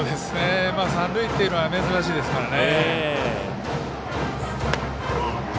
三塁っていうのは珍しいですからね。